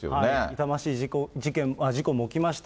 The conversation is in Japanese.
痛ましい事故も起きました。